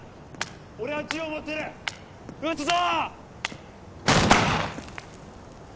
俺は銃を持っている撃つぞ！